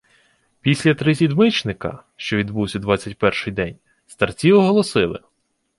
Після трисідмичника, що відбувсь у двадцять перший день, старці оголосили: